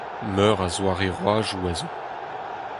Meur a zoare roadoù a zo.